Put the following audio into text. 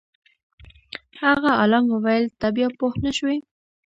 هغه عالم وویل ته بیا پوه نه شوې.